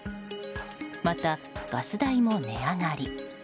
またガス代も値上がり。